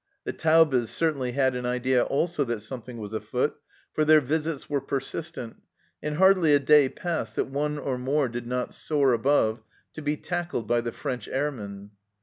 The Taubes certainly had an idea also that something was afoot, for their visits were persistent, and hardly a day passed that one or more did not soar above, to be tackled by the French airmen.